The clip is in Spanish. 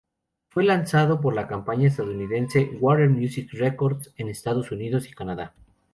Fue lanzado por la compañía estadounidense "Water Music Records" en Estados Unidos y Canadá.